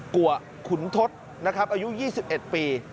กว่าขุนทศอายุ๒๑ปี